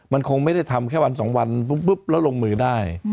มันคงไม่ได้ทำแค่วันสองวันปุ๊บแล้วลงมือได้